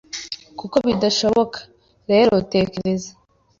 Kuko bidashoboka rero tekereza